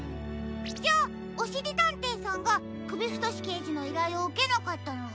じゃあおしりたんていさんがくびふとしけいじのいらいをうけなかったのは？